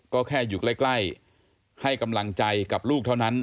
ก็แค่อยู่ใกล้ให้กำลังใจกับลูกเท่านั้น